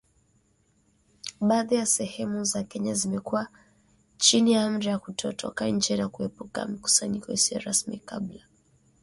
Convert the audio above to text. Baadhi ya sehemu za Kenya zimekuwa chini ya amri ya kutotoka nje na kuepuka mikusanyiko isiyo rasmi kabla ya uchaguzi utakao amua rais.